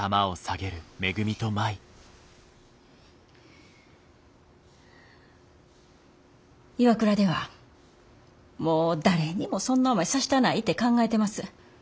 ＩＷＡＫＵＲＡではもう誰にもそんな思いさしたないて考えてます。